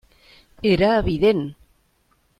Era evident.